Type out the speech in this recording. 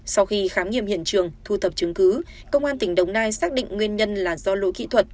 sau khi khám nghiệm hiện trường thu thập chứng cứ công an tỉnh đồng nai xác định nguyên nhân là do lỗi kỹ thuật